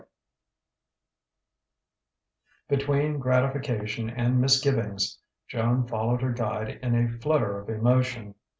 XXXII Between gratification and misgivings, Joan followed her guide in a flutter of emotion.